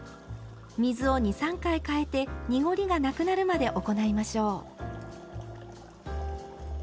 水を２３回かえて濁りがなくなるまで行いましょう。